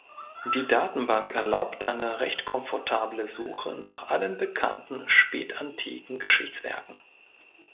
Die Datenbank erlaubt eine recht komfortable Suche nach allen bekannten spätantiken Geschichtswerken.